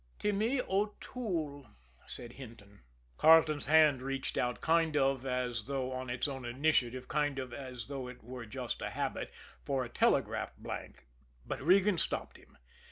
"Timmy O'Toole," said Hinton. Carleton's hand reached out, kind of as though of its own initiative, kind of as though it were just habit, for a telegraph blank but Regan stopped him.